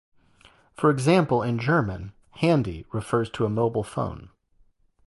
For example, in German "Handy" refers to a mobile phone.